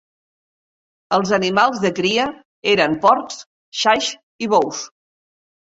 Els animals de cria eren porcs, xais i bous.